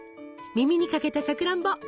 耳にかけたさくらんぼ！